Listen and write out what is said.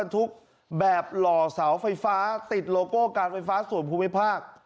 ทุกแบบหล่อเสาไฟฟ้าติดโลโก้การไฟฟ้าส่วนภูมิภาค